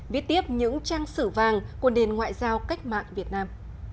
viết tiếp những trang sử vàng của nền ngoại giao cách mạng việt nam